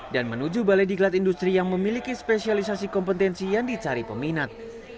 dan menuju balai diklat industri yang memiliki spesialisasi kompetensi yang dicari peminat